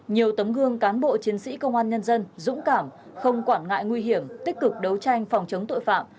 nhiều tấm gương cán bộ chiến sĩ công an nhân dân dũng cảm không quản ngại nguy hiểm tích cực đấu tranh phòng chống tội phạm